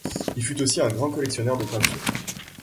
Il fut aussi un grand collectionneur de peintures.